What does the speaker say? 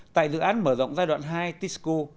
tại dự án mở rộng giai đoạn hai tisco